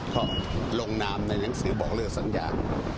ก็ลงนามในหนังสือบอกเลิกสัญญา